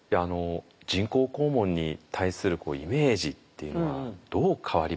人工肛門に対するイメージっていうのはどう変わりましたか？